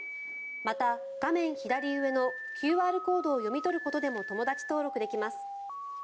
また、画面左上のＱＲコードを読み取ることでも友だち登録できます。